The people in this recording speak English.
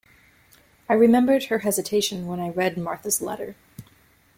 I remembered her hesitation when I read Marthe's letter.